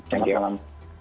terima kasih malam